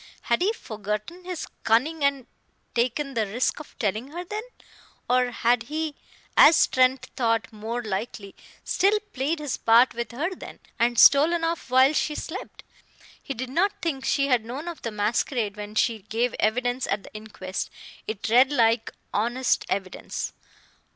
Had he forgotten his cunning and taken the risk of telling her then? Or had he, as Trent thought more likely, still played his part with her then, and stolen off while she slept? He did not think she had known of the masquerade when she gave evidence at the inquest; it read like honest evidence.